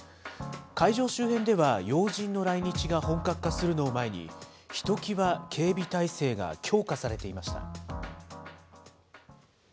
会場周辺では要人の来日が本格化するのを前に、ひときわ警備態勢が強化されていました。